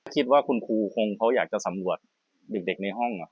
คิดว่าคุณครูคงเขาอยากจะสำรวจเด็กในห้อง